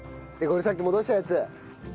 でこれさっき戻したやつ。